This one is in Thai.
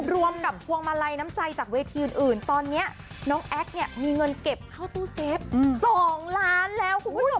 รวมกับพวงมาลัยน้ำใจจากเวทีอื่นตอนนี้น้องแอ๊กเนี่ยมีเงินเก็บเข้าตู้เซฟ๒ล้านแล้วคุณผู้ชม